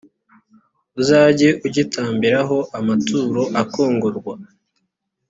uzajye ugitambiraho amaturo akongorwa